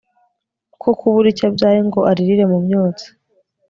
ko kubura icyo abyaye ngo aririre mu myotsi